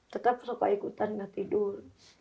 tetap suka ikutan nggak tidur